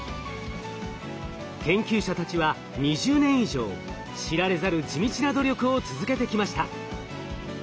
研究者たちは２０年以上知られざる地道な努力を続けてきました。